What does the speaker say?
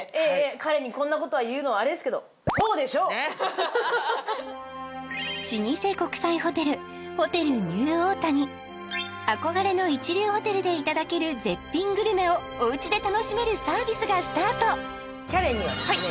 花恋にこんなことは言うのはあれですけど老舗国際ホテルホテルニューオータニ憧れの一流ホテルでいただける絶品グルメをおうちで楽しめるサービスがスタートきゃれんにはですね